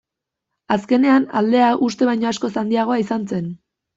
Azkenean, aldea uste baino askoz handiagoa izan zen.